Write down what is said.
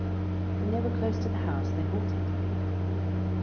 When they were close to the house they halted.